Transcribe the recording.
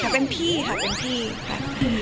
แต่เป็นพี่ค่ะเป็นพี่ค่ะ